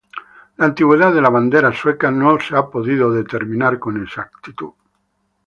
La antigüedad de la bandera sueca no ha podido ser determinada con exactitud.